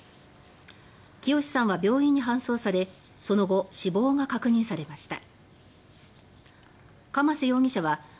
喜好さんは病院に搬送されその後、死亡が確認されました。